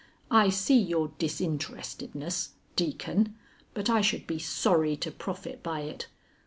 I see your disinterestedness, Deacon, but I should be sorry to profit by it.